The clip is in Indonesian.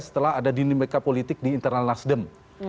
setelah ada dinamika politik di internal nasdem